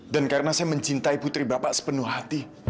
dan karena saya mencintai putri bapak sepenuh hati